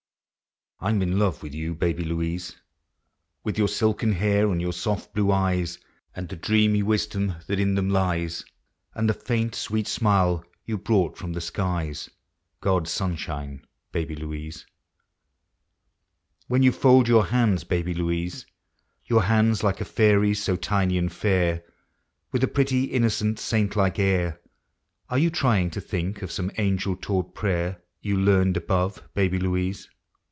I 'm in love with you, Baby Louise! With vour silken hair, and vour soft blue eves, And the dreamy wisdom that in them lies. And the faint, sweet smile you brought from the skies, — God's sunshine, Baby Louise. When you fold your hands, Baby Louise, Your hands, like a fairy's, so tiny and fair, With a pretty, innocent, saint like air, Are you trying to think of some angel taught prayer You learned above. Baby Louise?